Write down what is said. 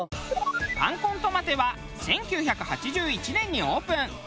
パンコントマテは１９８１年にオープン。